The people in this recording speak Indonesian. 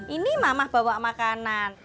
ini mamah bawa makanan